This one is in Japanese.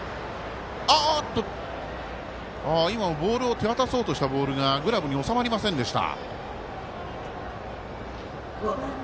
ああっと手渡そうとしたボールがグラブに収まりませんでした。